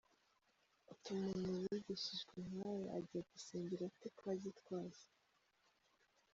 Uti umuntu wigishijwe nkawe ajya gusengera ate kwa Gitwaza?